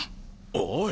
おい！